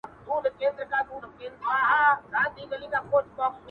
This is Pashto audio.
څوک چي ونو سره شپې کوي.